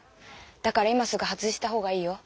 だから今すぐ外した方がいいよ。